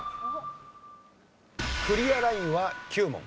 クリアラインは９問。